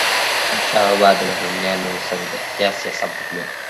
احمدشاه بابا د بهرنيانو سره د احتیاط سیاست درلود.